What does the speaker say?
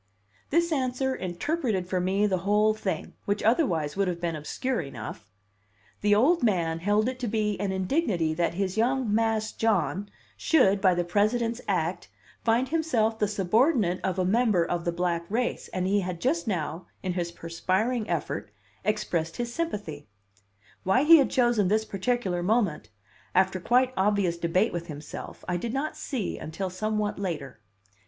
This answer interpreted for me the whole thing, which otherwise would have been obscure enough: the old man held it to be an indignity that his young "Mas' John" should, by the President's act, find himself the subordinate of a member of the black race, and he had just now, in his perspiring effort, expressed his sympathy! Why he had chosen this particular moment (after quite obvious debate with himself) I did not see until somewhat later.